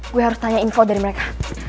gue harus tanya info dari mereka